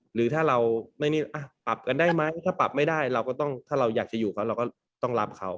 หรือถ้าเราไม่ได้ปรับกันได้ไหมถ้าปรับไม่ได้เราก็ต้องถ้าเราอยากจะอยู่เขาเราก็ต้องรับเขา